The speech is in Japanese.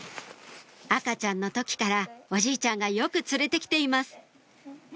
赤ちゃんの時からおじいちゃんがよく連れてきています